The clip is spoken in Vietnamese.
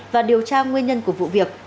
và điều tra nguyên nhân của vụ việc